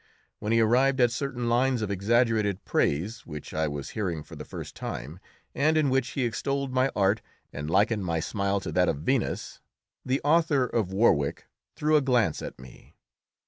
When he arrived at certain lines of exaggerated praise, which I was hearing for the first time, and in which he extolled my art and likened my smile to that of Venus, the author of "Warwick" threw a glance at me.